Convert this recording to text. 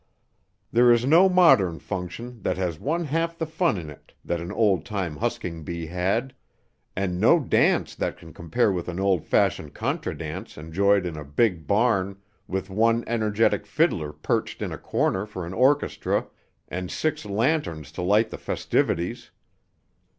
There is no modern "function" that has one half the fun in it that an old time husking bee had, and no dance that can compare with an old fashioned contra dance enjoyed in a big barn, with one energetic fiddler perched in a corner for an orchestra, and six lanterns to light the festivities!